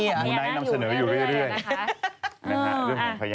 มูนายก็มีเรื่องของเขวกันเลย